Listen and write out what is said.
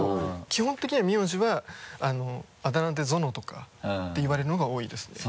基本的には名字はあだ名で「ゾノ」とかって言われるのが多いですね。